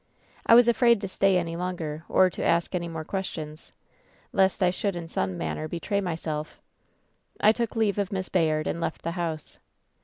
"I was afraid to stay any longer, or to ask any more 228 WHEN SHADOWS DIE questions, lest I should in some manner betray myself. I took leave of Miss Bayard, and left the house.